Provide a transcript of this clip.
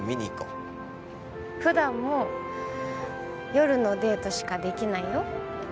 普段も夜のデートしかできないよ。